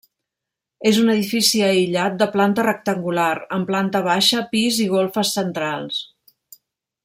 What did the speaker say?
És un edifici aïllat de planta rectangular, amb planta baixa, pis i golfes centrals.